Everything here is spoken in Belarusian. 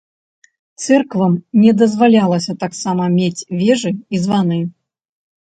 Цэрквам не дазвалялася таксама мець вежы і званы.